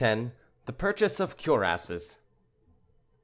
THE PURCHASE OF CUIRASSES.